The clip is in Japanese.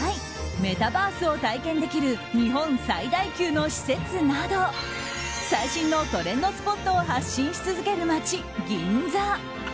メタバースを体験できる日本最大級の施設など最新のトレンドスポットを発信し続ける街・銀座。